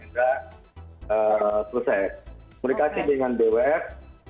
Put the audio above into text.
kemudian kita sudah selesai komunikasi dengan bws